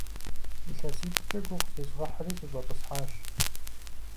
ИлъэситӀкӀэ гугъу зезгъэхьри, сыщӀэтӀысхьащ.